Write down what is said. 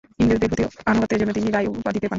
ইংরেজদের প্রতি আনুগত্যের জন্য তিনি রায় উপাধিতে পান।